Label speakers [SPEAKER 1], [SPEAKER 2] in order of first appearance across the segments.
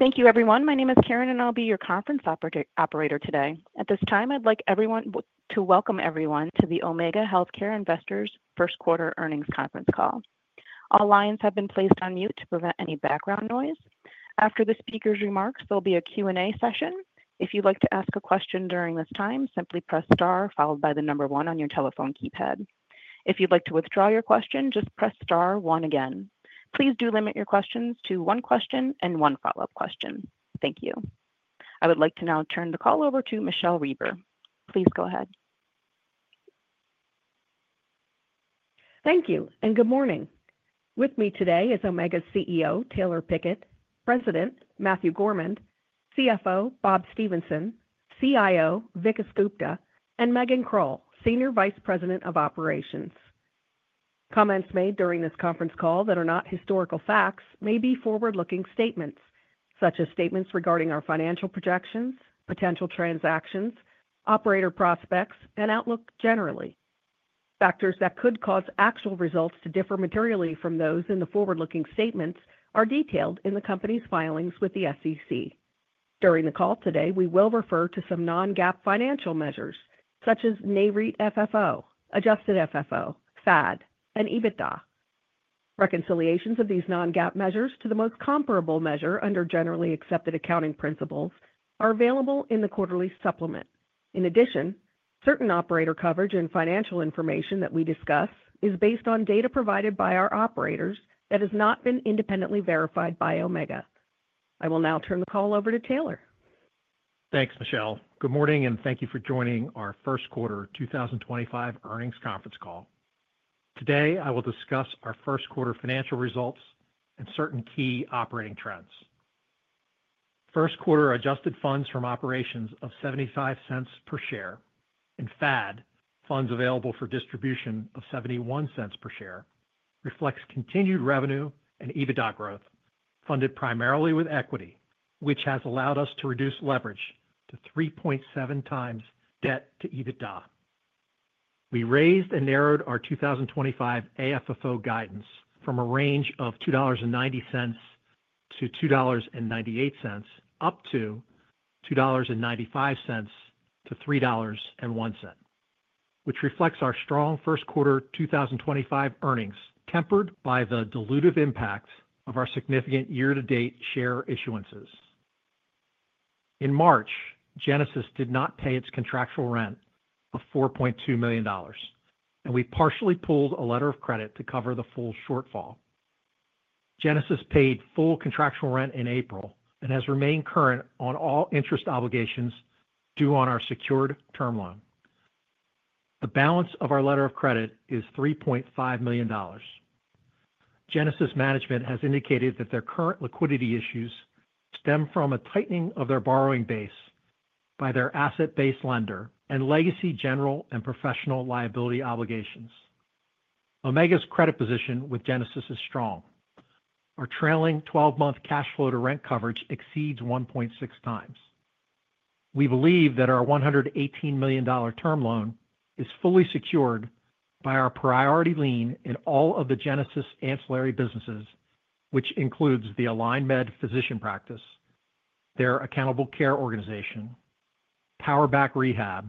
[SPEAKER 1] Thank you, everyone. My name is Karen, and I'll be your conference operator today. At this time, I'd like everyone to welcome everyone to the Omega Healthcare Investors' first quarter earnings conference call. All lines have been placed on mute to prevent any background noise. After the speaker's remarks, there'll be a Q&A session. If you'd like to ask a question during this time, simply press star followed by the number one on your telephone keypad. If you'd like to withdraw your question, just press star one again. Please do limit your questions to one question and one follow-up question. Thank you. I would like to now turn the call over to Michele Reber. Please go ahead.
[SPEAKER 2] Thank you, and good morning. With me today is Omega's CEO, Taylor Pickett, President Matthew Gourmand, CFO Bob Stephenson, CIO Vikas Gupta, and Megan Krull, Senior Vice President of Operations. Comments made during this conference call that are not historical facts may be forward-looking statements, such as statements regarding our financial projections, potential transactions, operator prospects, and outlook generally. Factors that could cause actual results to differ materially from those in the forward-looking statements are detailed in the company's filings with the SEC. During the call today, we will refer to some non-GAAP financial measures, such as NAREIT FFO, adjusted FFO, FAD, and EBITDA. Reconciliations of these non-GAAP measures to the most comparable measure under generally accepted accounting principles are available in the quarterly supplement. In addition, certain operator coverage and financial information that we discuss is based on data provided by our operators that has not been independently verified by Omega. I will now turn the call over to Taylor.
[SPEAKER 3] Thanks, Michele. Good morning, and thank you for joining our first quarter 2025 earnings conference call. Today, I will discuss our first quarter financial results and certain key operating trends. First quarter adjusted funds from operations of $0.75 per share and FAD funds available for distribution of $0.71 per share reflects continued revenue and EBITDA growth funded primarily with equity, which has allowed us to reduce leverage to 3.7x debt to EBITDA. We raised and narrowed our 2025 AFFO guidance from a range of $2.90-$2.98 up to $2.95-$3.01, which reflects our strong first quarter 2025 earnings tempered by the dilutive impact of our significant year-to-date share issuances. In March, Genesis did not pay its contractual rent of $4.2 million, and we partially pulled a letter of credit to cover the full shortfall. Genesis paid full contractual rent in April and has remained current on all interest obligations due on our secured term loan. The balance of our letter of credit is $3.5 million. Genesis Management has indicated that their current liquidity issues stem from a tightening of their borrowing base by their asset-based lender and legacy general and professional liability obligations. Omega's credit position with Genesis is strong. Our trailing 12-month cash flow to rent coverage exceeds 1.6x. We believe that our $118 million term loan is fully secured by our priority lien in all of the Genesis ancillary businesses, which includes the AlignMed physician practice, their Accountable Care Organization, Powerback Rehab,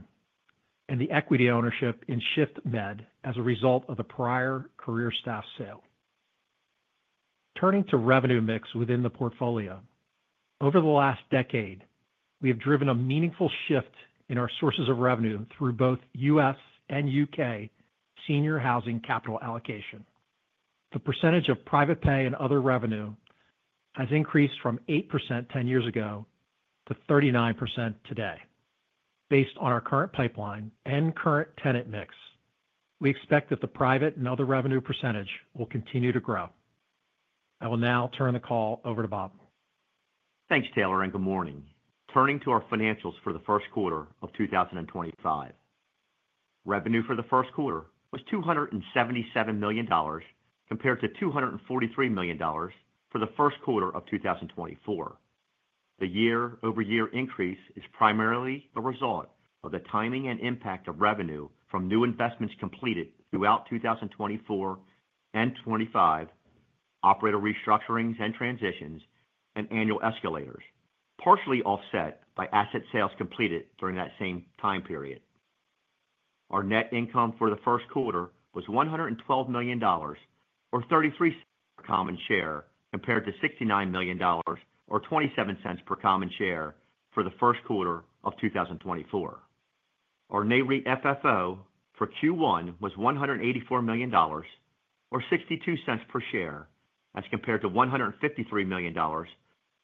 [SPEAKER 3] and the equity ownership in ShiftMed as a result of the prior CareerStaff sale. Turning to revenue mix within the portfolio, over the last decade, we have driven a meaningful shift in our sources of revenue through both U.S. and U.K. senior housing capital allocation. The percentage of private pay and other revenue has increased from 8% 10 years ago to 39% today. Based on our current pipeline and current tenant mix, we expect that the private and other revenue percentage will continue to grow. I will now turn the call over to Bob.
[SPEAKER 4] Thanks, Taylor, and good morning. Turning to our financials for the first quarter of 2025, revenue for the first quarter was $277 million compared to $243 million for the first quarter of 2024. The year-over-year increase is primarily a result of the timing and impact of revenue from new investments completed throughout 2024 and 2025, operator restructurings and transitions, and annual escalators, partially offset by asset sales completed during that same time period. Our net income for the first quarter was $112 million, or $0.33 per common share, compared to $69 million, or $0.27 per common share for the first quarter of 2024. Our NAREIT FFO for Q1 was $184 million, or $0.62 per share, as compared to $153 million, or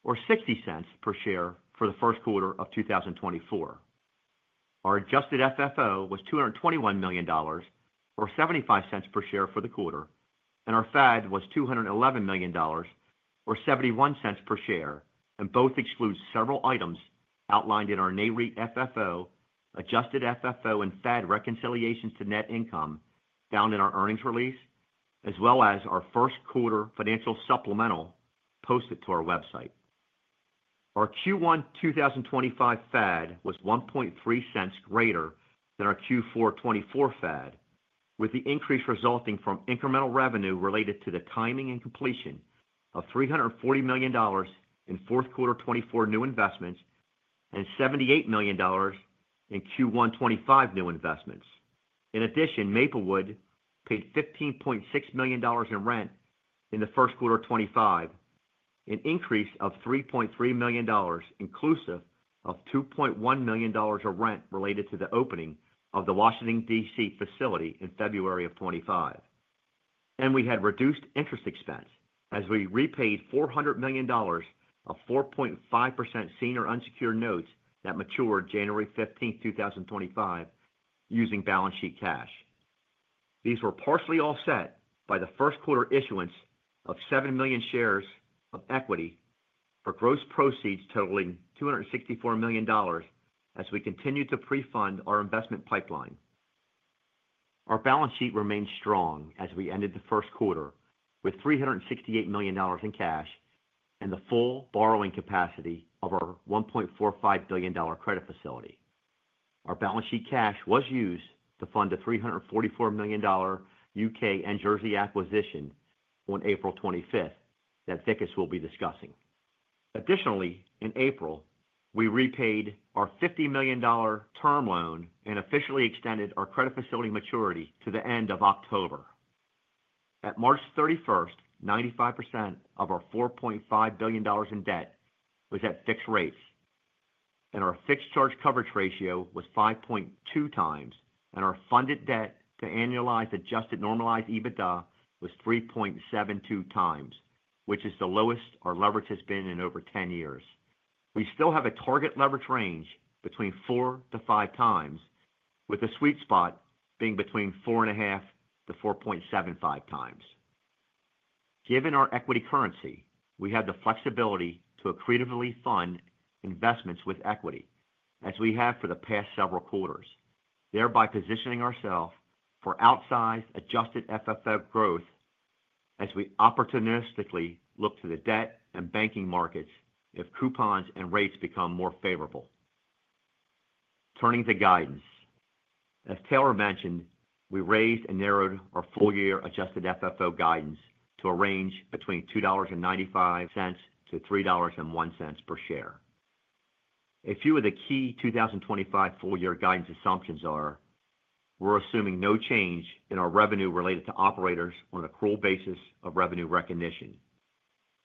[SPEAKER 4] $0.60 per share for the first quarter of 2024. Our adjusted FFO was $221 million, or $0.75 per share for the quarter, and our FAD was $211 million, or $0.71 per share, and both exclude several items outlined in our NAREIT FFO, adjusted FFO, and FAD reconciliations to net income found in our earnings release, as well as our first quarter financial supplemental posted to our website. Our Q1 2025 FAD was $0.13 greater than our Q4 2024 FAD, with the increase resulting from incremental revenue related to the timing and completion of $340 million in fourth quarter 2024 new investments and $78 million in Q1 2025 new investments. In addition, Maplewood paid $15.6 million in rent in the first quarter 2025, an increase of $3.3 million inclusive of $2.1 million of rent related to the opening of the Washington, D.C. facility in February of 2025. We had reduced interest expense as we repaid $400 million of 4.5% senior unsecured notes that matured January 15, 2025, using balance sheet cash. These were partially offset by the first quarter issuance of 7 million shares of equity for gross proceeds totaling $264 million as we continue to prefund our investment pipeline. Our balance sheet remained strong as we ended the first quarter with $368 million in cash and the full borrowing capacity of our $1.45 billion credit facility. Our balance sheet cash was used to fund the $344 million U.K. and Jersey acquisition on April 25 that Vikas will be discussing. Additionally, in April, we repaid our $50 million term loan and officially extended our credit facility maturity to the end of October. At March 31, 95% of our $4.5 billion in debt was at fixed rates, and our fixed charge coverage ratio was 5.2x, and our funded debt to annualized adjusted normalized EBITDA was 3.72x, which is the lowest our leverage has been in over 10 years. We still have a target leverage range between four to five times, with the sweet spot being between 4.5x-4.75x. Given our equity currency, we have the flexibility to accretively fund investments with equity as we have for the past several quarters, thereby positioning ourselves for outsized adjusted FFO growth as we opportunistically look to the debt and banking markets if coupons and rates become more favorable. Turning to guidance, as Taylor mentioned, we raised and narrowed our full-year adjusted FFO guidance to a range between $2.95-$3.01 per share. A few of the key 2025 full-year guidance assumptions are we're assuming no change in our revenue related to operators on a accrual basis of revenue recognition.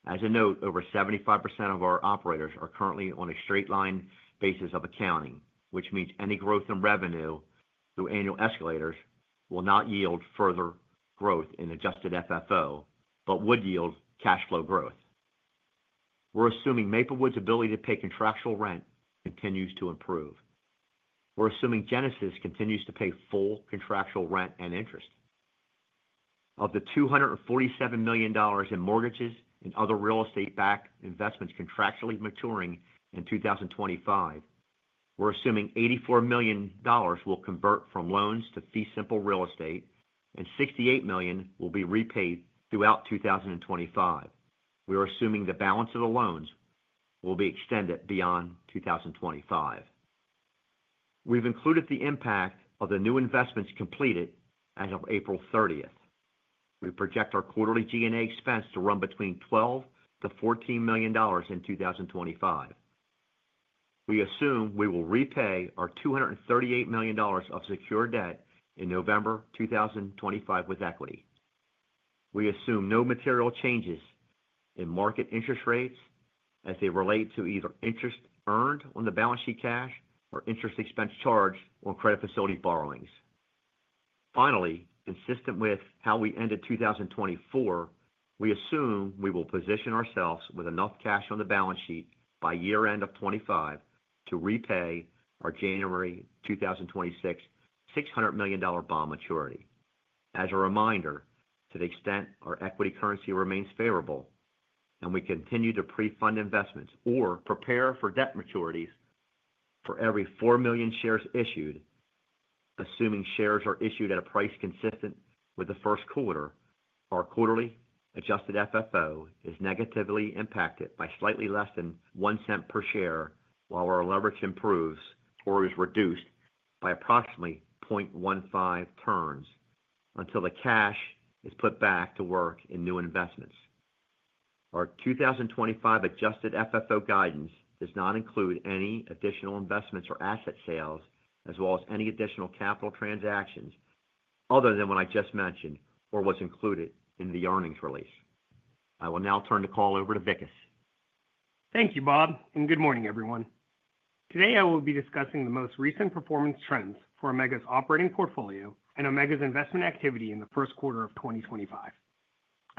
[SPEAKER 4] As a note, over 75% of our operators are currently on a straight-line basis of accounting, which means any growth in revenue through annual escalators will not yield further growth in adjusted FFO but would yield cash flow growth. We're assuming Maplewood's ability to pay contractual rent continues to improve. We're assuming Genesis continues to pay full contractual rent and interest. Of the $247 million in mortgages and other real estate-backed investments contractually maturing in 2025, we're assuming $84 million will convert from loans to fee-simple real estate, and $68 million will be repaid throughout 2025. We are assuming the balance of the loans will be extended beyond 2025. We've included the impact of the new investments completed as of April 30. We project our quarterly G&A expense to run between $12 million-$14 million in 2025. We assume we will repay our $238 million of secured debt in November 2025 with equity. We assume no material changes in market interest rates as they relate to either interest earned on the balance sheet cash or interest expense charged on credit facility borrowings. Finally, consistent with how we ended 2024, we assume we will position ourselves with enough cash on the balance sheet by year-end of 2025 to repay our January 2026 $600 million bond maturity. As a reminder, to the extent our equity currency remains favorable and we continue to prefund investments or prepare for debt maturities, for every 4 million shares issued, assuming shares are issued at a price consistent with the first quarter, our quarterly adjusted FFO is negatively impacted by slightly less than $0.01 per share while our leverage improves or is reduced by approximately 0.15 turns until the cash is put back to work in new investments. Our 2025 adjusted FFO guidance does not include any additional investments or asset sales, as well as any additional capital transactions other than what I just mentioned or was included in the earnings release. I will now turn the call over to Vikas.
[SPEAKER 5] Thank you, Bob, and good morning, everyone. Today, I will be discussing the most recent performance trends for Omega's operating portfolio and Omega's investment activity in the first quarter of 2025,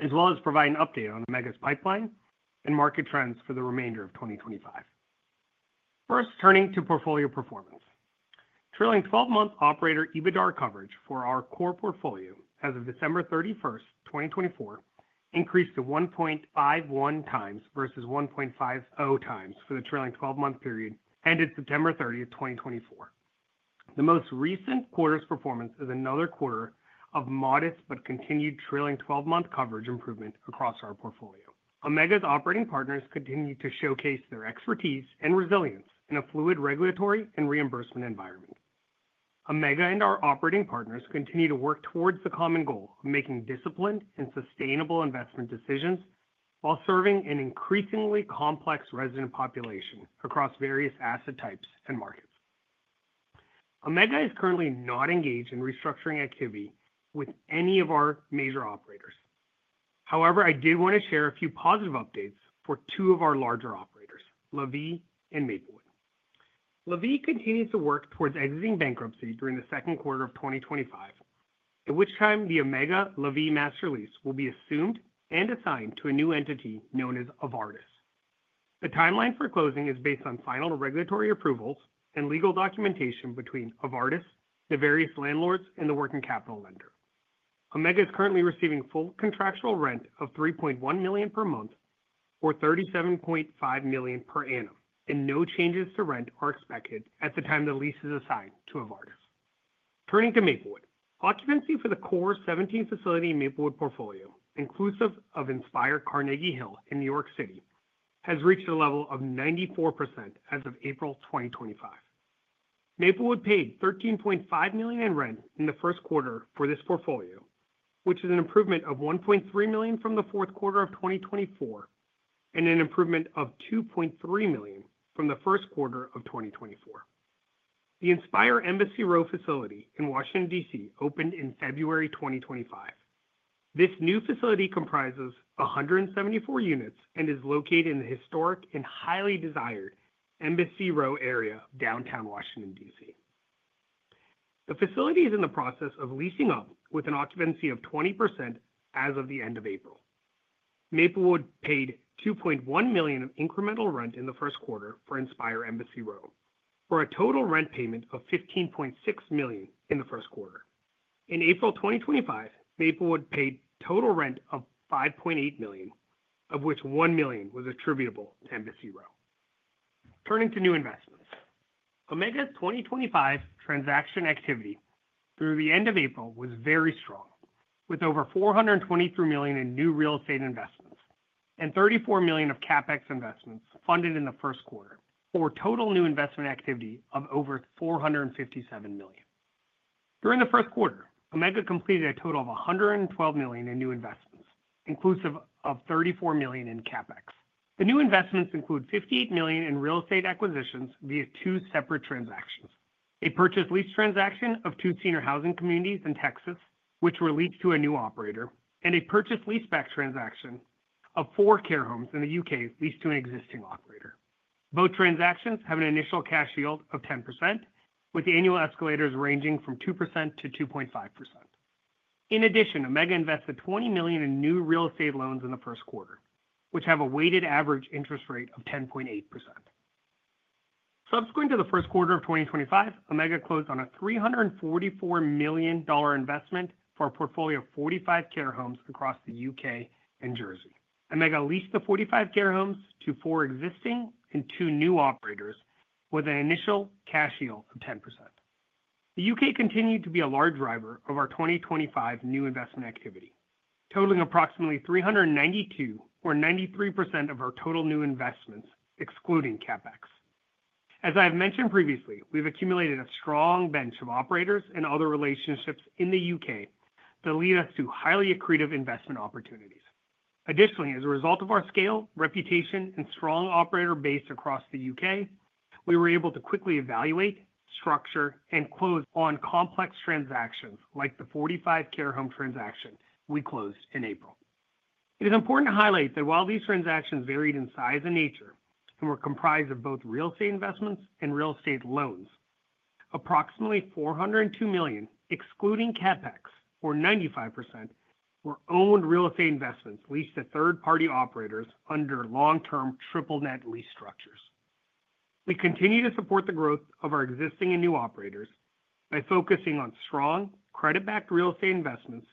[SPEAKER 5] as well as provide an update on Omega's pipeline and market trends for the remainder of 2025. First, turning to portfolio performance. Trailing 12-month operator EBITDA coverage for our core portfolio as of December 31, 2024, increased to 1.51x versus 1.50x for the trailing 12-month period ended September 30, 2024. The most recent quarter's performance is another quarter of modest but continued trailing 12-month coverage improvement across our portfolio. Omega's operating partners continue to showcase their expertise and resilience in a fluid regulatory and reimbursement environment. Omega and our operating partners continue to work towards the common goal of making disciplined and sustainable investment decisions while serving an increasingly complex resident population across various asset types and markets. Omega is currently not engaged in restructuring activity with any of our major operators. However, I did want to share a few positive updates for two of our larger operators, LaVie and Maplewood. LaVie continues to work towards exiting bankruptcy during the second quarter of 2025, at which time the Omega LaVie Master Lease will be assumed and assigned to a new entity known as Avardis. The timeline for closing is based on final regulatory approvals and legal documentation between Avardis, the various landlords, and the working capital lender. Omega is currently receiving full contractual rent of $3.1 million per month or $37.5 million per annum, and no changes to rent are expected at the time the lease is assigned to Avardis. Turning to Maplewood, occupancy for the core 17 facility in Maplewood portfolio, inclusive of Inspīr Carnegie Hill in New York City, has reached a level of 94% as of April 2025. Maplewood paid $13.5 million in rent in the first quarter for this portfolio, which is an improvement of $1.3 million from the fourth quarter of 2024 and an improvement of $2.3 million from the first quarter of 2024. The Inspīr Embassy Row facility in Washington, D.C., opened in February 2025. This new facility comprises 174 units and is located in the historic and highly desired Embassy Row area of downtown Washington, D.C. The facility is in the process of leasing up with an occupancy of 20% as of the end of April. Maplewood paid $2.1 million of incremental rent in the first quarter for Inspīr Embassy Row for a total rent payment of $15.6 million in the first quarter. In April 2025, Maplewood paid total rent of $5.8 million, of which $1 million was attributable to Embassy Row. Turning to new investments, Omega's 2025 transaction activity through the end of April was very strong, with over $423 million in new real estate investments and $34 million of CapEx investments funded in the first quarter for total new investment activity of over $457 million. During the first quarter, Omega completed a total of $112 million in new investments, inclusive of $34 million in CapEx. The new investments include $58 million in real estate acquisitions via two separate transactions: a purchase lease transaction of two senior housing communities in Texas, which were leased to a new operator, and a purchase lease-back transaction of four care homes in the U.K. leased to an existing operator. Both transactions have an initial cash yield of 10%, with annual escalators ranging from 2%-2.5%. In addition, Omega invested $20 million in new real estate loans in the first quarter, which have a weighted average interest rate of 10.8%. Subsequent to the first quarter of 2025, Omega closed on a $344 million investment for a portfolio of 45 care homes across the U.K. and Jersey. Omega leased the 45 care homes to four existing and two new operators with an initial cash yield of 10%. The U.K. continued to be a large driver of our 2025 new investment activity, totaling approximately $392 million or 93% of our total new investments, excluding CapEx. As I have mentioned previously, we've accumulated a strong bench of operators and other relationships in the U.K. that lead us to highly accretive investment opportunities. Additionally, as a result of our scale, reputation, and strong operator base across the U.K., we were able to quickly evaluate, structure, and close on complex transactions like the 45 care home transaction we closed in April. It is important to highlight that while these transactions varied in size and nature and were comprised of both real estate investments and real estate loans, approximately $402 million, excluding CapEx or 95%, were owned real estate investments leased to third-party operators under long-term triple-net lease structures. We continue to support the growth of our existing and new operators by focusing on strong credit-backed real estate investments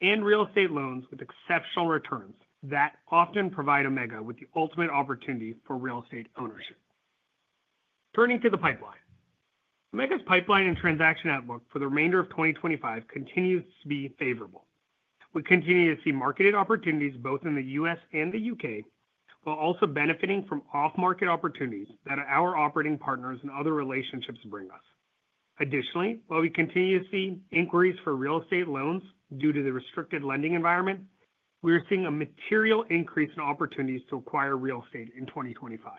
[SPEAKER 5] and real estate loans with exceptional returns that often provide Omega with the ultimate opportunity for real estate ownership. Turning to the pipeline, Omega's pipeline and transaction outlook for the remainder of 2025 continues to be favorable. We continue to see marketed opportunities both in the U.S. and the U.K. while also benefiting from off-market opportunities that our operating partners and other relationships bring us. Additionally, while we continue to see inquiries for real estate loans due to the restricted lending environment, we are seeing a material increase in opportunities to acquire real estate in 2025,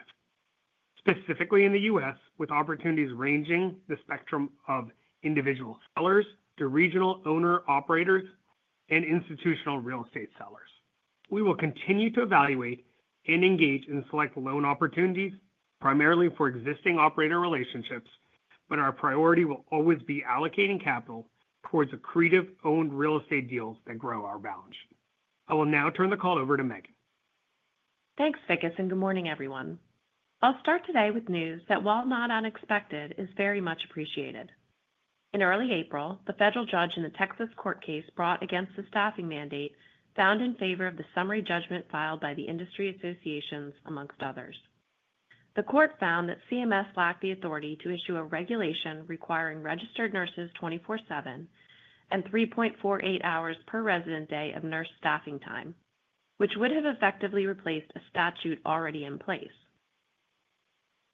[SPEAKER 5] specifically in the U.S., with opportunities ranging in the spectrum of individual sellers to regional owner-operators and institutional real estate sellers. We will continue to evaluate and engage in select loan opportunities, primarily for existing operator relationships, but our priority will always be allocating capital towards accretive-owned real estate deals that grow our balance sheet. I will now turn the call over to Megan.
[SPEAKER 6] Thanks, Vikas, and good morning, everyone. I'll start today with news that, while not unexpected, is very much appreciated. In early April, the federal judge in the Texas court case brought against the staffing mandate found in favor of the summary judgment filed by the Industry Associations, amongst others. The court found that CMS lacked the authority to issue a regulation requiring registered nurses 24/7 and 3.48 hours per resident day of nurse staffing time, which would have effectively replaced a statute already in place.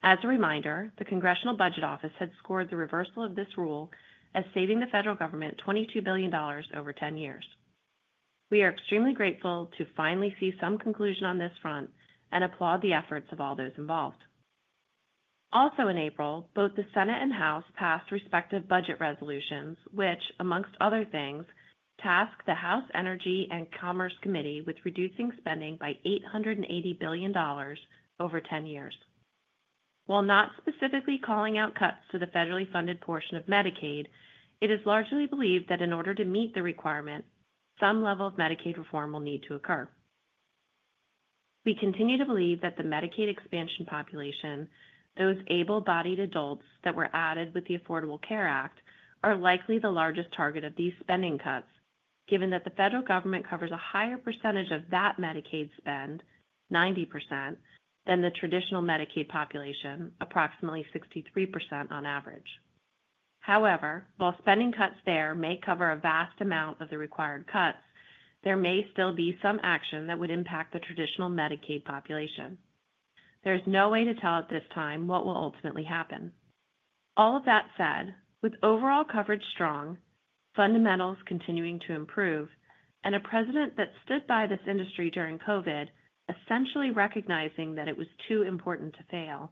[SPEAKER 6] As a reminder, the Congressional Budget Office had scored the reversal of this rule as saving the federal government $22 billion over 10 years. We are extremely grateful to finally see some conclusion on this front and applaud the efforts of all those involved. Also, in April, both the Senate and House passed respective budget resolutions, which, amongst other things, tasked the House Energy and Commerce Committee with reducing spending by $880 billion over 10 years. While not specifically calling out cuts to the federally funded portion of Medicaid, it is largely believed that in order to meet the requirement, some level of Medicaid reform will need to occur. We continue to believe that the Medicaid expansion population, those able-bodied adults that were added with the Affordable Care Act, are likely the largest target of these spending cuts, given that the federal government covers a higher percentage of that Medicaid spend, 90%, than the traditional Medicaid population, approximately 63% on average. However, while spending cuts there may cover a vast amount of the required cuts, there may still be some action that would impact the traditional Medicaid population. There is no way to tell at this time what will ultimately happen. All of that said, with overall coverage strong, fundamentals continuing to improve, and a president that stood by this industry during COVID, essentially recognizing that it was too important to fail,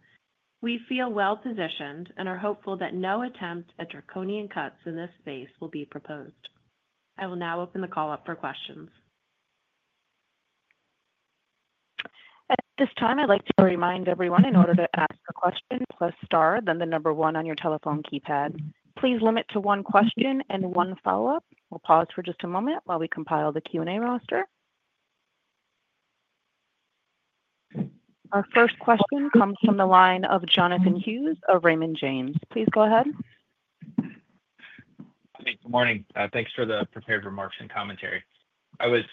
[SPEAKER 6] we feel well-positioned and are hopeful that no attempt at draconian cuts in this space will be proposed. I will now open the call up for questions.
[SPEAKER 1] At this time, I'd like to remind everyone, in order to ask a question, press * then the number one on your telephone keypad. Please limit to one question and one follow-up. We'll pause for just a moment while we compile the Q&A roster. Our first question comes from the line of Jonathan Hughes of Raymond James. Please go ahead.
[SPEAKER 7] Hey, good morning. Thanks for the prepared remarks and commentary. I was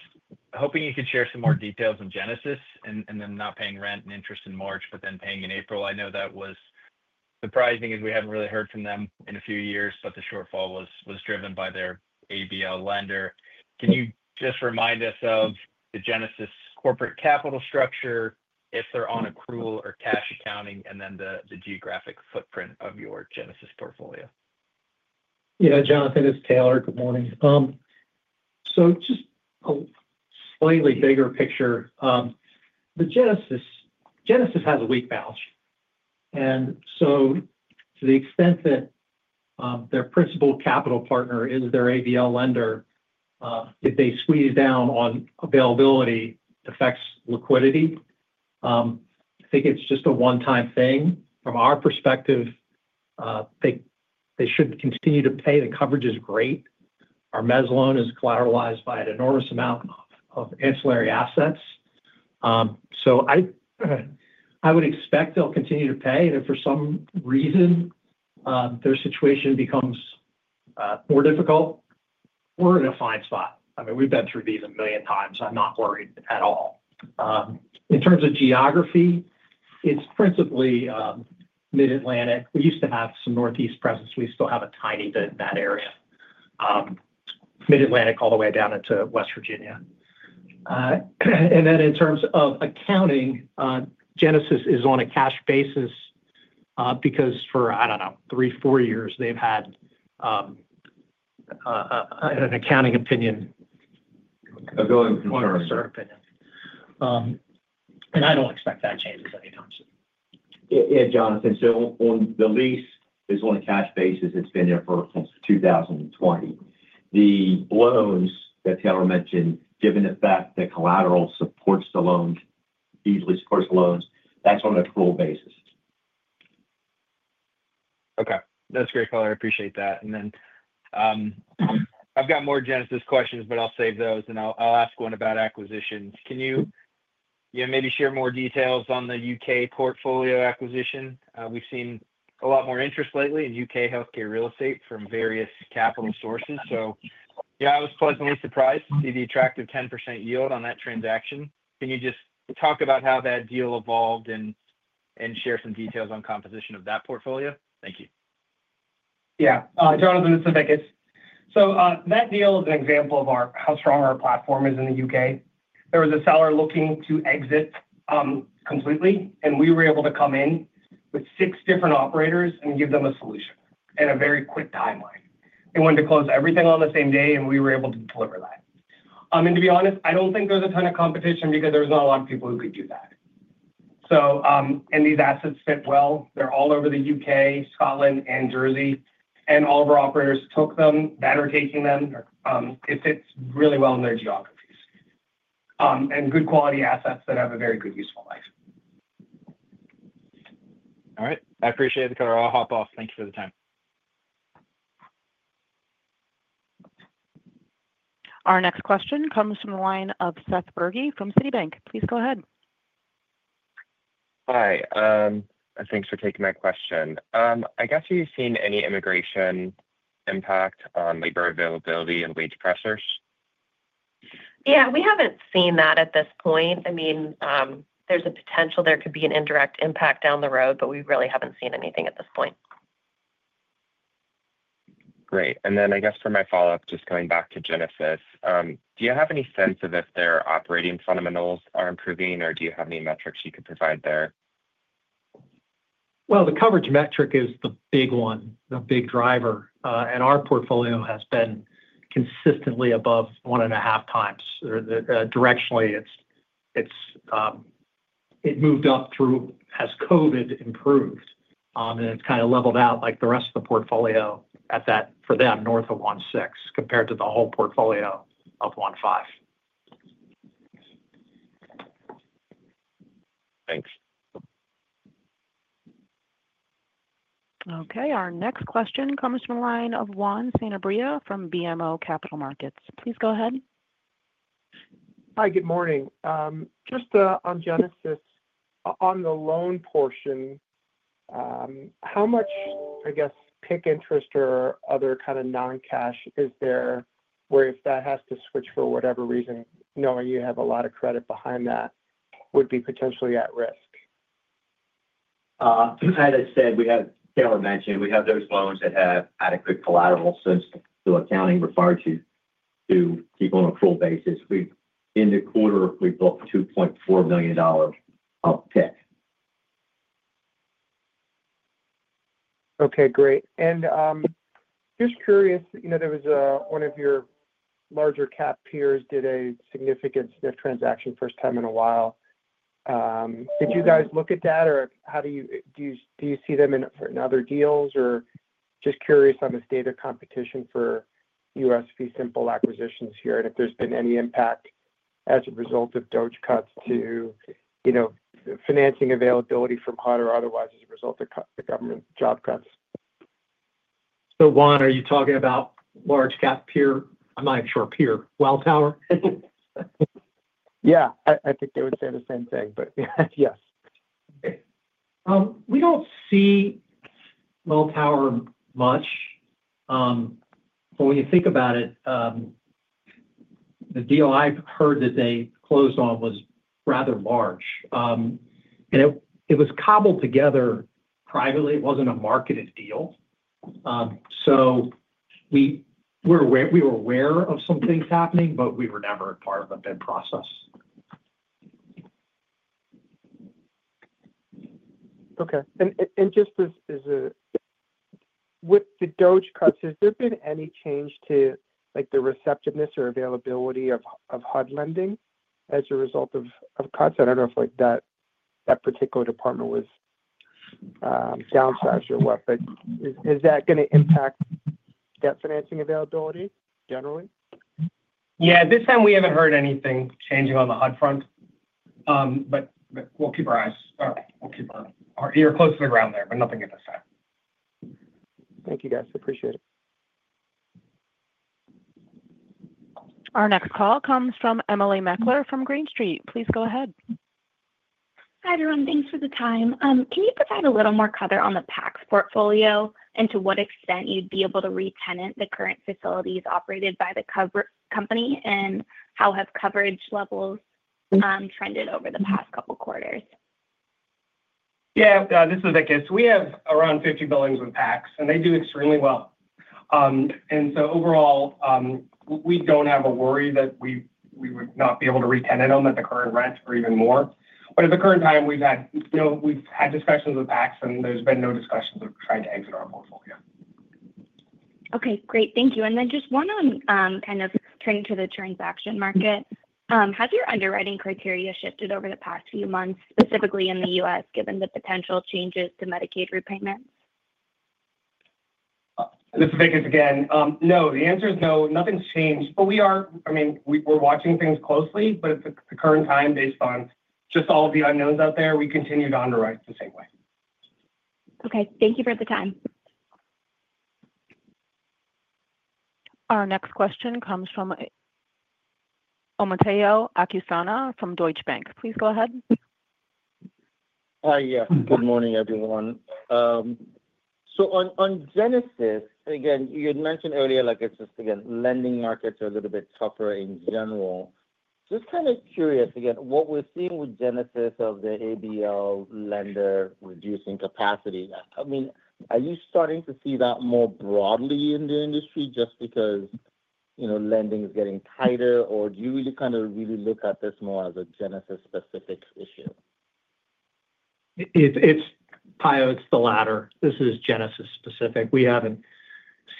[SPEAKER 7] hoping you could share some more details on Genesis and them not paying rent and interest in March, but then paying in April. I know that was surprising as we haven't really heard from them in a few years, but the shortfall was driven by their ABL lender. Can you just remind us of the Genesis corporate capital structure, if they're on accrual or cash accounting, and then the geographic footprint of your Genesis portfolio?
[SPEAKER 3] Yeah, Jonathan, it's Taylor. Good morning. Just a slightly bigger picture. Genesis has a weak balance. To the extent that their principal capital partner is their ABL lender, if they squeeze down on availability, it affects liquidity. I think it's just a one-time thing. From our perspective, they should continue to pay. The coverage is great. Our mezz loan is collateralized by an enormous amount of ancillary assets. I would expect they'll continue to pay. If for some reason their situation becomes more difficult, we're in a fine spot. I mean, we've been through these a million times. I'm not worried at all. In terms of geography, it's principally Mid-Atlantic. We used to have some northeast presence. We still have a tiny bit in that area, Mid-Atlantic all the way down into West Virginia. In terms of accounting, Genesis is on a cash basis because for, I don't know, three, four years, they've had an accounting opinion.
[SPEAKER 4] A going concern.
[SPEAKER 3] A board of servant opinion. I don't expect that changes anytime soon.
[SPEAKER 4] Yeah, Jonathan. On the lease, it's on a cash basis. It's been there since 2020. The loans that Taylor mentioned, given the fact that collateral supports the loans, easily supports the loans, that's on an accrual basis.
[SPEAKER 7] Okay. That's great. I appreciate that. I have more Genesis questions, but I'll save those. I will ask one about acquisitions. Can you maybe share more details on the U.K. portfolio acquisition? We've seen a lot more interest lately in U.K. healthcare real estate from various capital sources. I was pleasantly surprised to see the attractive 10% yield on that transaction. Can you just talk about how that deal evolved and share some details on composition of that portfolio? Thank you.
[SPEAKER 5] Yeah. Jonathan, this is Vikas. That deal is an example of how strong our platform is in the U.K. There was a seller looking to exit completely, and we were able to come in with six different operators and give them a solution in a very quick timeline. They wanted to close everything on the same day, and we were able to deliver that. To be honest, I do not think there is a ton of competition because there is not a lot of people who could do that. These assets fit well. They are all over the U.K., Scotland, and Jersey. All of our operators took them that are taking them if it is really well in their geographies and good quality assets that have a very good useful life.
[SPEAKER 7] All right. I appreciate it. I'll hop off. Thank you for the time.
[SPEAKER 1] Our next question comes from the line of Seth Bergey from Citibank. Please go ahead.
[SPEAKER 8] Hi. Thanks for taking my question. I guess, have you seen any immigration impact on labor availability and wage pressures?
[SPEAKER 6] Yeah. We haven't seen that at this point. I mean, there's a potential there could be an indirect impact down the road, but we really haven't seen anything at this point.
[SPEAKER 8] Great. I guess for my follow-up, just going back to Genesis, do you have any sense of if their operating fundamentals are improving, or do you have any metrics you could provide there?
[SPEAKER 3] The coverage metric is the big one, the big driver. Our portfolio has been consistently above one and a half times. Directionally, it moved up through, as COVID improved, and it has kind of leveled out like the rest of the portfolio at that, for them, north of 1.6 compared to the whole portfolio of 1.5.
[SPEAKER 8] Thanks.
[SPEAKER 1] Okay. Our next question comes from the line of Juan Sanabria from BMO Capital Markets. Please go ahead.
[SPEAKER 9] Hi, good morning. Just on Genesis, on the loan portion, how much, I guess, PIK interest or other kind of non-cash is there where if that has to switch for whatever reason, knowing you have a lot of credit behind that, would be potentially at risk?
[SPEAKER 4] As I said, we have, Taylor mentioned, we have those loans that have adequate collateral since the accounting referred to people on an accrual basis. In the quarter, we booked $2.4 million of pick.
[SPEAKER 9] Okay. Great. Just curious, there was one of your larger cap peers did a significant SNF transaction, first time in a while. Did you guys look at that, or do you see them in other deals? Just curious on the state of competition for U.S. SNF acquisitions here and if there's been any impact as a result of cuts to financing availability from HUD or otherwise as a result of government job cuts.
[SPEAKER 3] Juan, are you talking about large cap peer? I'm not even sure, peer, Welltower?
[SPEAKER 9] Yeah. I think they would say the same thing, but yes.
[SPEAKER 3] We do not see Welltower much. When you think about it, the deal I have heard that they closed on was rather large. It was cobbled together privately. It was not a marketed deal. We were aware of some things happening, but we were never a part of the bid process.
[SPEAKER 9] Okay. Just as a with the DOGE cuts, has there been any change to the receptiveness or availability of HUD lending as a result of cuts? I do not know if that particular department was downsized or what, but is that going to impact debt financing availability generally?
[SPEAKER 3] Yeah. At this time, we haven't heard anything changing on the HUD front, but we'll keep our ear close to the ground there, but nothing at this time.
[SPEAKER 9] Thank you, guys. Appreciate it.
[SPEAKER 1] Our next call comes from Emily Mekler from Green Street. Please go ahead.
[SPEAKER 10] Hi, everyone. Thanks for the time. Can you provide a little more color on the PACS portfolio and to what extent you'd be able to re-tenant the current facilities operated by the cover company and how have coverage levels trended over the past couple of quarters?
[SPEAKER 5] Yeah. This is Vikas. We have around 50 buildings with PACS, and they do extremely well. Overall, we do not have a worry that we would not be able to re-tenant them at the current rent or even more. At the current time, we have had discussions with PACS, and there have been no discussions of trying to exit our portfolio.
[SPEAKER 10] Okay. Great. Thank you. Just one on kind of turning to the transaction market. Has your underwriting criteria shifted over the past few months, specifically in the U.S., given the potential changes to Medicaid repayments?
[SPEAKER 5] This is Vikas again. No. The answer is no. Nothing's changed. I mean, we're watching things closely, but at the current time, based on just all of the unknowns out there, we continue to underwrite the same way.
[SPEAKER 10] Okay. Thank you for the time.
[SPEAKER 1] Our next question comes from Omotayo Okusanya from Deutsche Bank. Please go ahead.
[SPEAKER 11] Hi. Yeah. Good morning, everyone. On Genesis, again, you had mentioned earlier it's just, again, lending markets are a little bit tougher in general. Just kind of curious, again, what we're seeing with Genesis of the ABL lender reducing capacity. I mean, are you starting to see that more broadly in the industry just because lending is getting tighter, or do you really kind of really look at this more as a Genesis-specific issue?
[SPEAKER 3] It's PIO; it's the latter. This is Genesis-specific. We haven't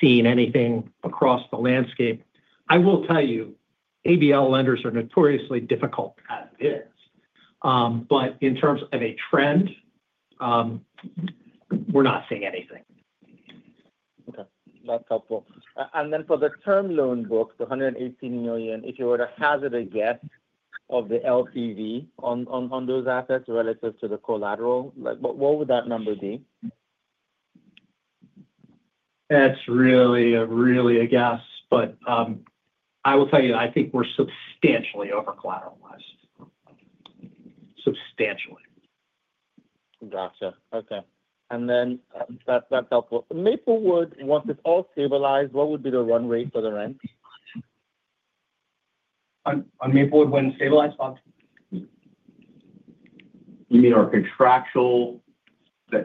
[SPEAKER 3] seen anything across the landscape. I will tell you, ABL lenders are notoriously difficult as it is. In terms of a trend, we're not seeing anything.
[SPEAKER 11] Okay. That's helpful. For the term loan booked, the $118 million, if you were to hazard a guess of the LTV on those assets relative to the collateral, what would that number be?
[SPEAKER 3] That's really a guess, but I will tell you, I think we're substantially over-collateralized. Substantially.
[SPEAKER 11] Gotcha. Okay. That’s helpful. Maplewood, once it’s all stabilized, what would be the run rate for the rent?
[SPEAKER 3] On Maplewood, when stabilized?
[SPEAKER 4] You mean our contractual?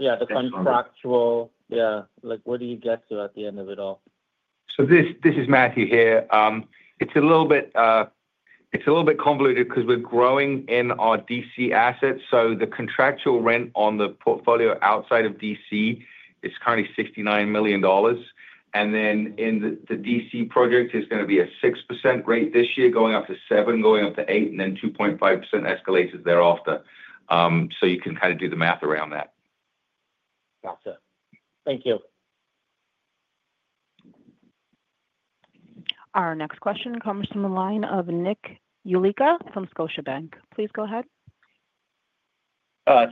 [SPEAKER 11] Yeah, the contractual. Yeah. What do you get to at the end of it all?
[SPEAKER 2] This is Matthew here. It's a little bit convoluted because we're growing in our D.C. assets. The contractual rent on the portfolio outside of D.C. is currently $69 million. In the D.C. project, it's going to be a 6% rate this year, going up to 7%, going up to 8%, and then 2.5% escalates thereafter. You can kind of do the math around that.
[SPEAKER 11] Gotcha. Thank you.
[SPEAKER 1] Our next question comes from the line of Nick Yulico from Scotiabank. Please go ahead.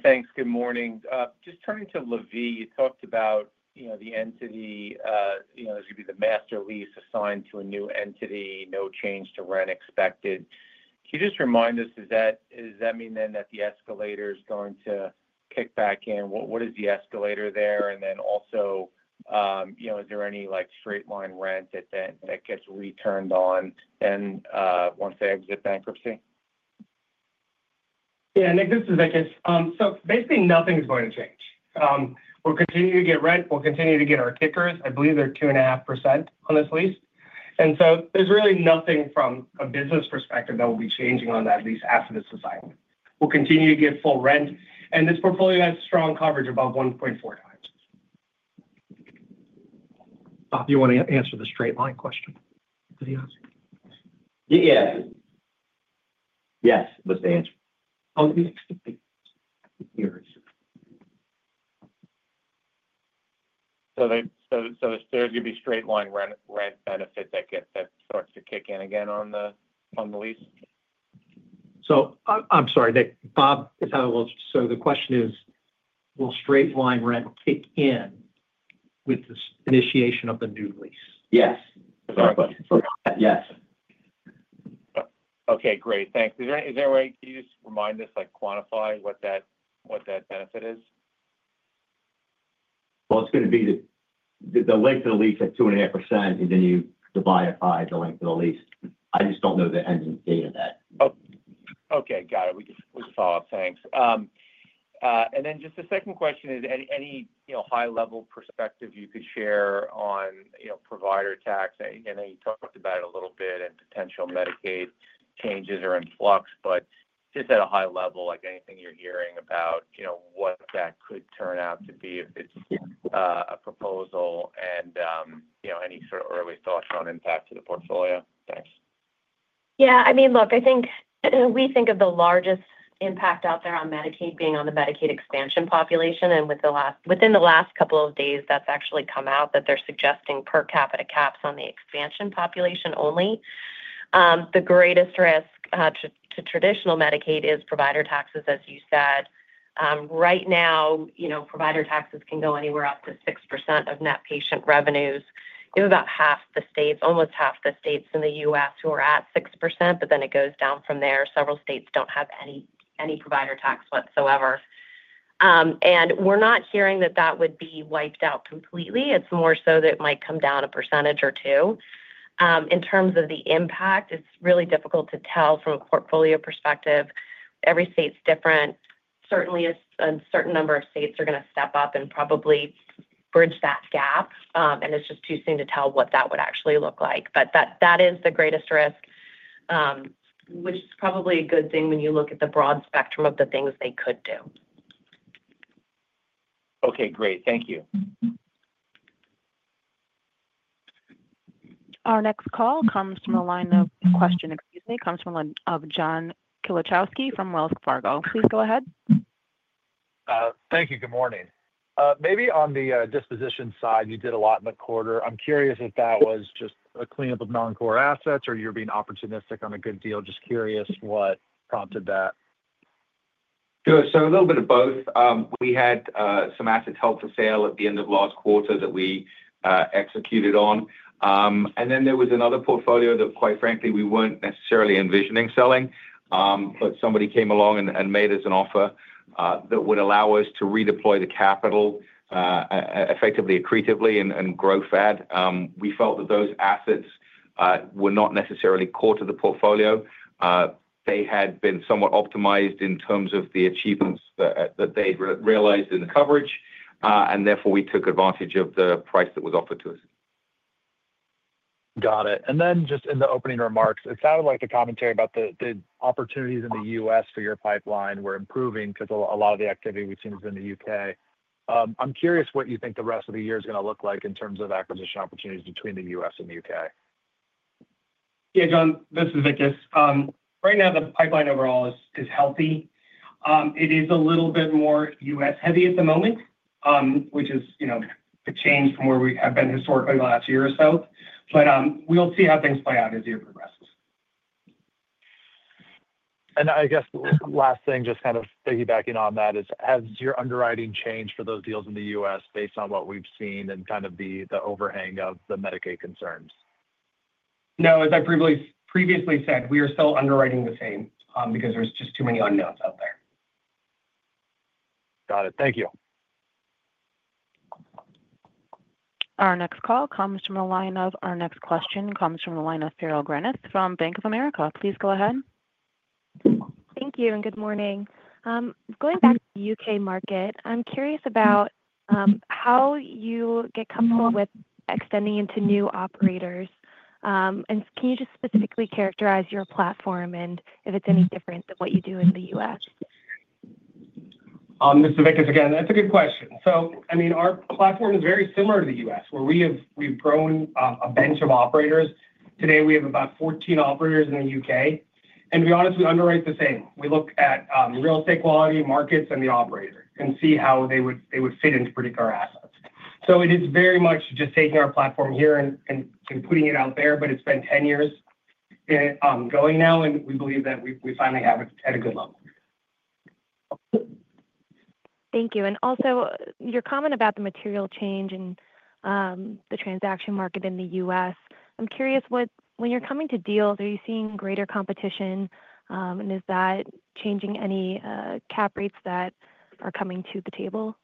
[SPEAKER 12] Thanks. Good morning. Just turning to LaVie, you talked about the entity there's going to be the master lease assigned to a new entity, no change to rent expected. Can you just remind us, does that mean then that the escalator is going to kick back in? What is the escalator there? Also, is there any straight-line rent that gets returned on once they exit bankruptcy?
[SPEAKER 3] Yeah. Nick, this is Vikas. Basically, nothing is going to change. We'll continue to get rent. We'll continue to get our kickers. I believe they're 2.5% on this lease. There is really nothing from a business perspective that will be changing on that lease after this assignment. We'll continue to get full rent. This portfolio has strong coverage above 1.4x. Bob, you want to answer the straight-line question to the audience?
[SPEAKER 4] Yeah. Yes. What's the answer?
[SPEAKER 12] There's going to be straight-line rent benefit that starts to kick in again on the lease?
[SPEAKER 3] I'm sorry. Bob, if I will. The question is, will straight-line rent kick in with the initiation of the new lease?
[SPEAKER 4] Yes. Sorry. Yes.
[SPEAKER 12] Okay. Great. Thanks. Is there a way can you just remind us, quantify what that benefit is?
[SPEAKER 4] It's going to be the length of the lease at 2.5%, and then you divide it by the length of the lease. I just don't know the ending date of that.
[SPEAKER 12] Okay. Got it. We can follow up. Thanks. The second question is, any high-level perspective you could share on provider tax? I know you talked about it a little bit and potential Medicaid changes or influx, but just at a high level, anything you're hearing about what that could turn out to be if it's a proposal and any sort of early thoughts on impact to the portfolio? Thanks.
[SPEAKER 6] Yeah. I mean, look, I think we think of the largest impact out there on Medicaid being on the Medicaid expansion population. Within the last couple of days, that's actually come out that they're suggesting per capita caps on the expansion population only. The greatest risk to traditional Medicaid is provider taxes, as you said. Right now, provider taxes can go anywhere up to 6% of net patient revenues. There's about half the states, almost half the states in the U.S. who are at 6%, but then it goes down from there. Several states do not have any provider tax whatsoever. We're not hearing that that would be wiped out completely. It's more so that it might come down a percentage or two. In terms of the impact, it's really difficult to tell from a portfolio perspective. Every state's different. Certainly, a certain number of states are going to step up and probably bridge that gap. It is just too soon to tell what that would actually look like. That is the greatest risk, which is probably a good thing when you look at the broad spectrum of the things they could do.
[SPEAKER 12] Okay. Great. Thank you.
[SPEAKER 1] Our next call comes from the line of John Kilichowski from Wells Fargo. Please go ahead.
[SPEAKER 13] Thank you. Good morning. Maybe on the disposition side, you did a lot in the quarter. I'm curious if that was just a cleanup of non-core assets or you were being opportunistic on a good deal. Just curious what prompted that.
[SPEAKER 4] A little bit of both. We had some assets held for sale at the end of last quarter that we executed on. There was another portfolio that, quite frankly, we were not necessarily envisioning selling, but somebody came along and made us an offer that would allow us to redeploy the capital effectively, accretively, and grow FAD. We felt that those assets were not necessarily core to the portfolio. They had been somewhat optimized in terms of the achievements that they realized in the coverage. Therefore, we took advantage of the price that was offered to us.
[SPEAKER 13] Got it. In the opening remarks, it sounded like the commentary about the opportunities in the U.S. for your pipeline were improving because a lot of the activity we've seen has been in the U.K. I'm curious what you think the rest of the year is going to look like in terms of acquisition opportunities between the U.S. and the U.K.
[SPEAKER 5] Yeah, John, this is Vikas. Right now, the pipeline overall is healthy. It is a little bit more U.S.-heavy at the moment, which is a change from where we have been historically the last year or so. We will see how things play out as the year progresses.
[SPEAKER 13] I guess last thing, just kind of piggybacking on that, is has your underwriting changed for those deals in the U.S. based on what we've seen and kind of the overhang of the Medicaid concerns?
[SPEAKER 5] No. As I previously said, we are still underwriting the same because there's just too many unknowns out there.
[SPEAKER 13] Got it. Thank you.
[SPEAKER 1] Our next question comes from the line of Farrell Granath from Bank of America. Please go ahead.
[SPEAKER 14] Thank you. Good morning. Going back to the U.K. market, I'm curious about how you get comfortable with extending into new operators. Can you just specifically characterize your platform and if it's any different than what you do in the U.S.?
[SPEAKER 5] This is Vikas. Again, that's a good question. I mean, our platform is very similar to the U.S., where we've grown a bench of operators. Today, we have about 14 operators in the U.K. To be honest, we underwrite the same. We look at real estate quality, markets, and the operator and see how they would fit into predictive assets. It is very much just taking our platform here and putting it out there, but it's been 10 years going now, and we believe that we finally have it at a good level.
[SPEAKER 14] Thank you. Also, your comment about the material change in the transaction market in the U.S., I'm curious, when you're coming to deals, are you seeing greater competition, and is that changing any cap rates that are coming to the table?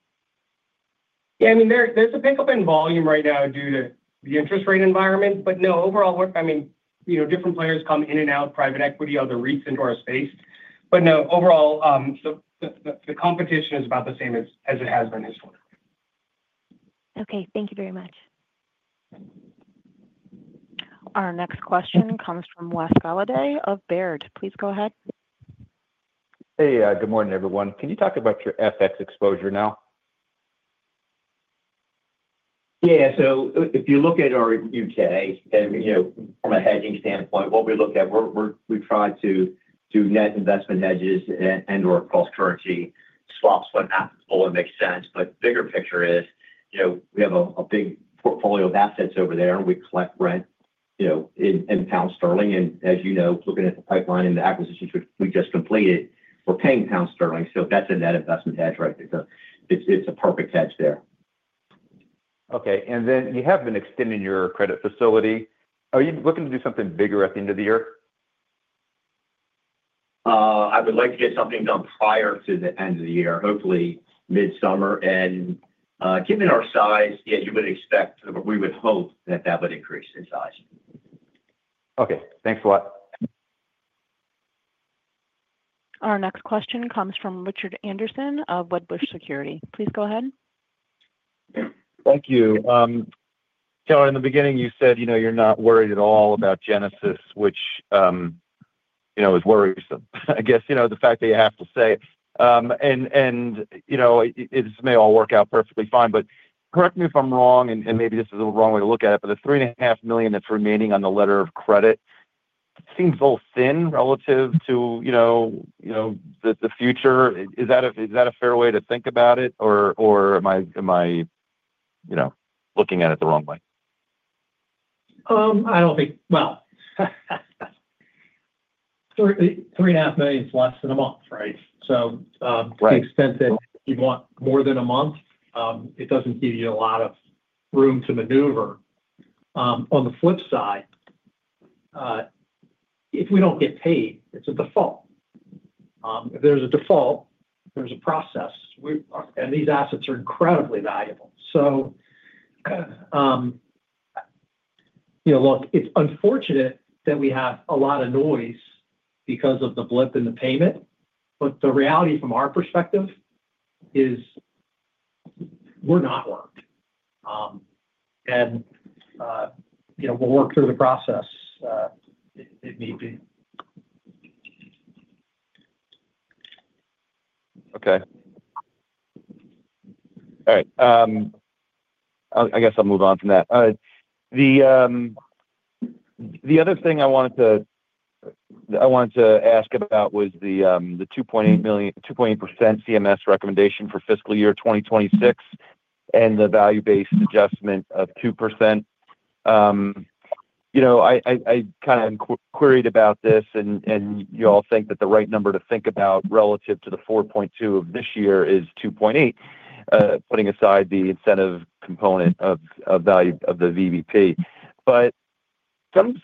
[SPEAKER 5] Yeah. I mean, there's a pickup in volume right now due to the interest rate environment, but no, overall, I mean, different players come in and out, private equity, other recent or space. No, overall, the competition is about the same as it has been historically.
[SPEAKER 14] Okay. Thank you very much.
[SPEAKER 1] Our next question comes from Wes Golladay of Baird. Please go ahead.
[SPEAKER 15] Hey. Good morning, everyone. Can you talk about your FX exposure now?
[SPEAKER 4] Yeah. If you look at our U.K., from a hedging standpoint, what we look at, we try to do net investment hedges and/or cross-currency swaps when applicable and make sense. The bigger picture is we have a big portfolio of assets over there, and we collect rent in pound sterling. As you know, looking at the pipeline and the acquisitions we just completed, we're paying pound sterling. That's a net investment hedge right there. It's a perfect hedge there.
[SPEAKER 15] Okay. You have been extending your credit facility. Are you looking to do something bigger at the end of the year?
[SPEAKER 4] I would like to get something done prior to the end of the year, hopefully mid-summer. Given our size, yeah, you would expect or we would hope that that would increase in size.
[SPEAKER 15] Okay. Thanks a lot.
[SPEAKER 1] Our next question comes from Richard Anderson of Wedbush Securities. Please go ahead.
[SPEAKER 16] Thank you. John, in the beginning, you said you're not worried at all about Genesis, which is worrisome, I guess, the fact that you have to say it. This may all work out perfectly fine, but correct me if I'm wrong, and maybe this is a little wrong way to look at it, but the $3.5 million that's remaining on the letter of credit seems a little thin relative to the future. Is that a fair way to think about it, or am I looking at it the wrong way?
[SPEAKER 3] I don't think, well, $3.5 million is less than a month, right? To the extent that you want more than a month, it doesn't give you a lot of room to maneuver. On the flip side, if we don't get paid, it's a default. If there's a default, there's a process. These assets are incredibly valuable. Look, it's unfortunate that we have a lot of noise because of the blip in the payment, but the reality from our perspective is we're not worried. We'll work through the process if need be.
[SPEAKER 16] Okay. All right. I guess I'll move on from that. The other thing I wanted to ask about was the 2.8% CMS recommendation for fiscal year 2026 and the value-based adjustment of 2%. I kind of queried about this, and you all think that the right number to think about relative to the 4.2% of this year is 2.8%, putting aside the incentive component of the VBP.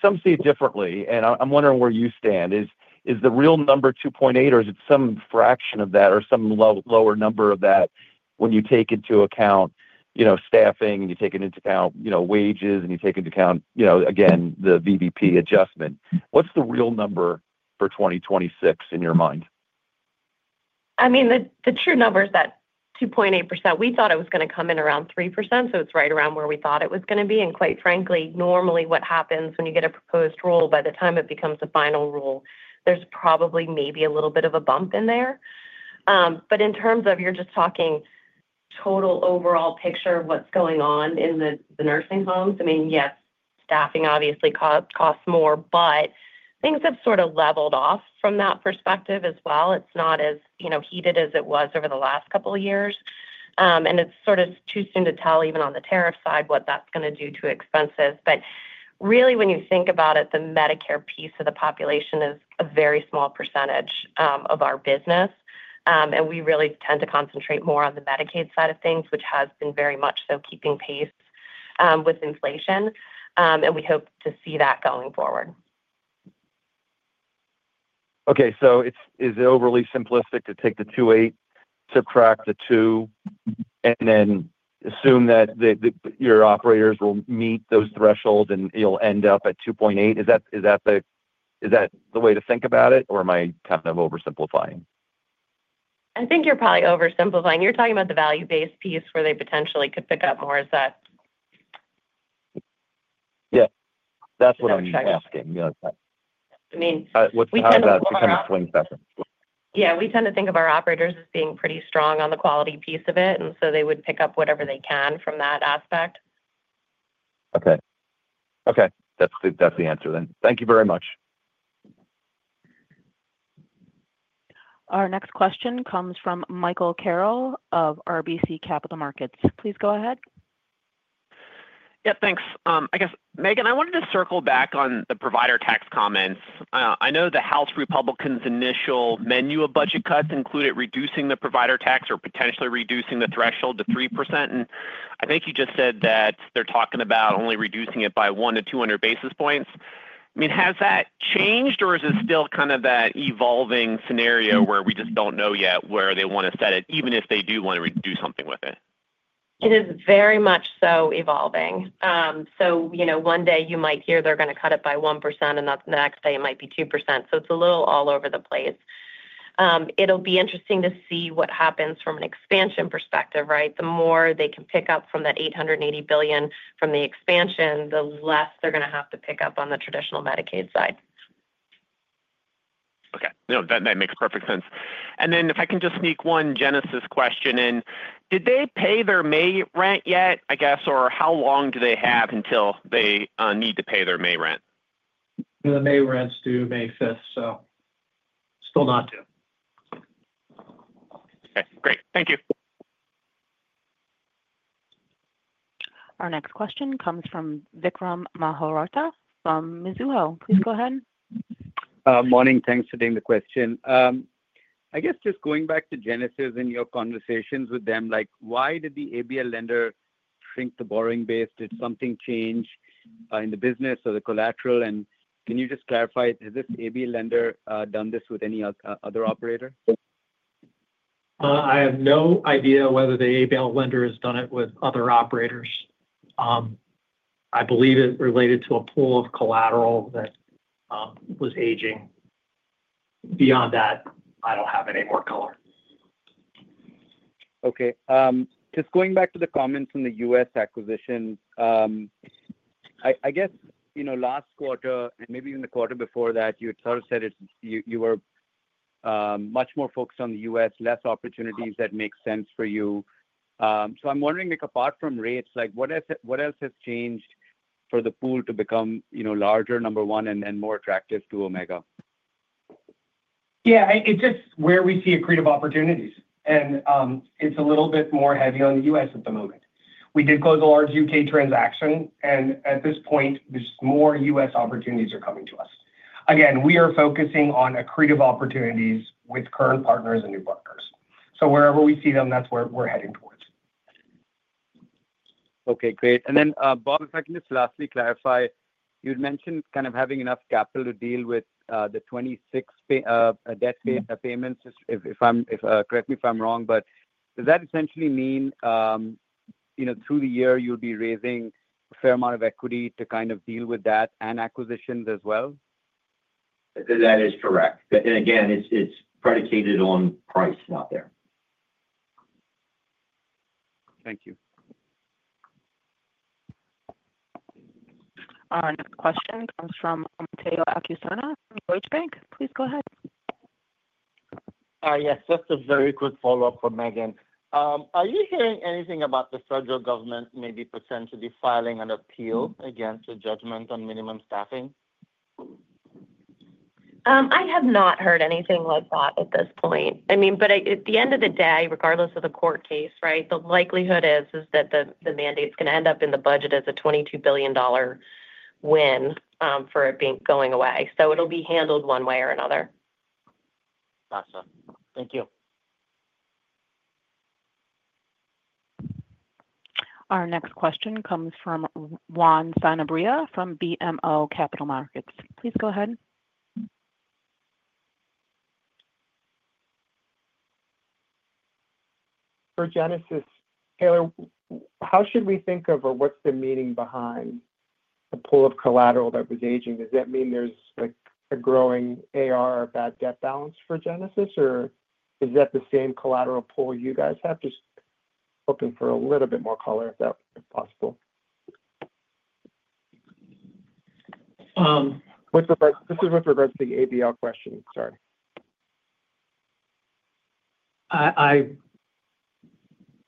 [SPEAKER 16] Some see it differently. I'm wondering where you stand. Is the real number 2.8%, or is it some fraction of that or some lower number of that when you take into account staffing, and you take into account wages, and you take into account, again, the VBP adjustment? What's the real number for 2026 in your mind?
[SPEAKER 6] I mean, the true number is that 2.8%. We thought it was going to come in around 3%, so it's right around where we thought it was going to be. Quite frankly, normally what happens when you get a proposed rule, by the time it becomes a final rule, there's probably maybe a little bit of a bump in there. In terms of you're just talking total overall picture of what's going on in the nursing homes, I mean, yes, staffing obviously costs more, but things have sort of leveled off from that perspective as well. It's not as heated as it was over the last couple of years. It's sort of too soon to tell, even on the tariff side, what that's going to do to expenses. Really, when you think about it, the Medicare piece of the population is a very small percentage of our business. We really tend to concentrate more on the Medicaid side of things, which has been very much so keeping pace with inflation. We hope to see that going forward.
[SPEAKER 16] Okay. Is it overly simplistic to take the 2.8, subtract the 2, and then assume that your operators will meet those thresholds and you'll end up at 2.8? Is that the way to think about it, or am I kind of oversimplifying?
[SPEAKER 6] I think you're probably oversimplifying. You're talking about the value-based piece where they potentially could pick up more. Is that?
[SPEAKER 16] Yeah, that's what I mean you're asking.
[SPEAKER 6] I mean, we tend to think.
[SPEAKER 16] What's that about? We kind of swing back and forth.
[SPEAKER 6] Yeah. We tend to think of our operators as being pretty strong on the quality piece of it. They would pick up whatever they can from that aspect.
[SPEAKER 16] Okay. Okay. That's the answer then. Thank you very much.
[SPEAKER 1] Our next question comes from Michael Carroll of RBC Capital Markets. Please go ahead.
[SPEAKER 17] Yeah. Thanks. I guess, Megan, I wanted to circle back on the provider tax comments. I know the House Republicans' initial menu of budget cuts included reducing the provider tax or potentially reducing the threshold to 3%. I think you just said that they're talking about only reducing it by 100 basis points-200 basis points. I mean, has that changed, or is it still kind of that evolving scenario where we just do not know yet where they want to set it, even if they do want to do something with it?
[SPEAKER 6] It is very much so evolving. One day you might hear they're going to cut it by 1%, and the next day it might be 2%. It's a little all over the place. It'll be interesting to see what happens from an expansion perspective, right? The more they can pick up from that $880 billion from the expansion, the less they're going to have to pick up on the traditional Medicaid side.
[SPEAKER 17] Okay. No, that makes perfect sense. If I can just sneak one Genesis question in, did they pay their May rent yet, I guess, or how long do they have until they need to pay their May rent?
[SPEAKER 3] The May rent's due May 5th, so still not due.
[SPEAKER 17] Okay. Great. Thank you.
[SPEAKER 1] Our next question comes from Vikram Malhotra from Mizuho. Please go ahead.
[SPEAKER 18] Morning. Thanks for doing the question. I guess just going back to Genesis and your conversations with them, why did the ABL lender shrink the borrowing base? Did something change in the business or the collateral? Can you just clarify, has this ABL lender done this with any other operator?
[SPEAKER 3] I have no idea whether the ABL lender has done it with other operators. I believe it related to a pool of collateral that was aging. Beyond that, I do not have any more color.
[SPEAKER 18] Okay. Just going back to the comments on the U.S. acquisitions, I guess last quarter and maybe even the quarter before that, you had sort of said you were much more focused on the U.S., less opportunities that make sense for you. I am wondering, apart from rates, what else has changed for the pool to become larger, number one, and more attractive to Omega?
[SPEAKER 4] Yeah. It is just where we see accretive opportunities. It is a little bit more heavy on the U.S. at the moment. We did close a large U.K. transaction, and at this point, there are more U.S. opportunities that are coming to us. Again, we are focusing on accretive opportunities with current partners and new partners. Wherever we see them, that is where we are heading towards.
[SPEAKER 18] Okay. Great. Bob, if I can just lastly clarify, you'd mentioned kind of having enough capital to deal with the 2026 debt payments, if I'm correct me if I'm wrong, but does that essentially mean through the year you'll be raising a fair amount of equity to kind of deal with that and acquisitions as well?
[SPEAKER 4] That is correct. Again, it's predicated on price out there.
[SPEAKER 18] Thank you.
[SPEAKER 1] Our next question comes from Omotayo Okusanya from Deutsche Bank. Please go ahead.
[SPEAKER 11] Yes. Just a very quick follow-up for Megan. Are you hearing anything about the federal government maybe potentially filing an appeal against the judgment on minimum staffing?
[SPEAKER 6] I have not heard anything like that at this point. I mean, at the end of the day, regardless of the court case, right, the likelihood is that the mandate's going to end up in the budget as a $22 billion win for it going away. It will be handled one way or another.
[SPEAKER 11] Gotcha. Thank you.
[SPEAKER 1] Our next question comes from Juan Sanabria from BMO Capital Markets. Please go ahead.
[SPEAKER 19] For Genesis, Taylor, how should we think of or what's the meaning behind the pool of collateral that was aging? Does that mean there's a growing AR or bad debt balance for Genesis, or is that the same collateral pool you guys have? Just hoping for a little bit more color if that's possible. This is with regards to the ABL question. Sorry.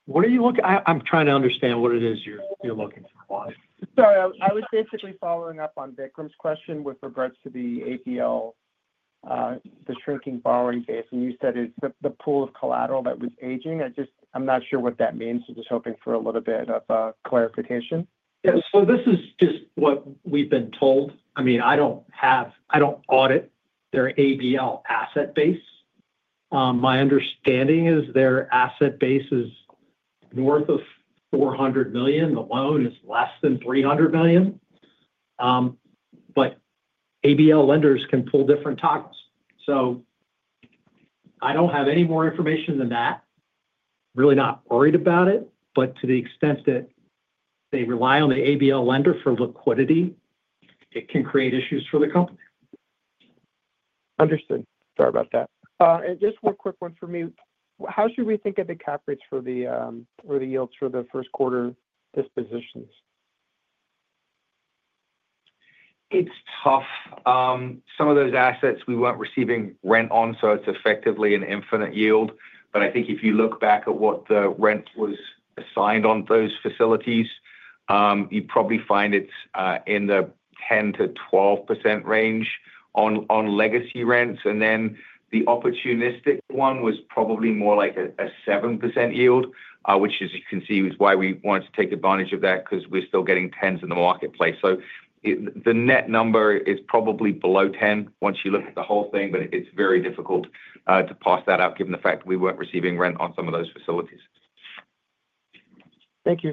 [SPEAKER 3] What are you looking for? I'm trying to understand what it is you're looking for, Juan.
[SPEAKER 9] Sorry. I was basically following up on Vikram's question with regards to the ABL, the shrinking borrowing base. You said it is the pool of collateral that was aging. I'm not sure what that means. I'm just hoping for a little bit of clarification.
[SPEAKER 3] Yeah. This is just what we've been told. I mean, I don't audit their ABL asset base. My understanding is their asset base is north of $400 million. The loan is less than $300 million. ABL lenders can pull different toggles. I don't have any more information than that. I'm really not worried about it. To the extent that they rely on the ABL lender for liquidity, it can create issues for the company.
[SPEAKER 9] Understood. Sorry about that. Just one quick one for me. How should we think of the cap rates for the yields for the first quarter dispositions?
[SPEAKER 4] It's tough. Some of those assets we weren't receiving rent on, so it's effectively an infinite yield. I think if you look back at what the rent was assigned on those facilities, you'd probably find it's in the 10%-12% range on legacy rents. The opportunistic one was probably more like a 7% yield, which, as you can see, is why we wanted to take advantage of that because we're still getting 10s in the marketplace. The net number is probably below 10 once you look at the whole thing, but it's very difficult to parse that out given the fact that we weren't receiving rent on some of those facilities.
[SPEAKER 19] Thank you.